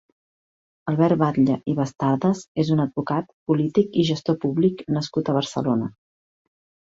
Albert Batlle i Bastardas és un advocat, polític i gestor públic nascut a Barcelona.